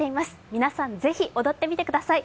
皆さん、ぜひ踊ってみてください。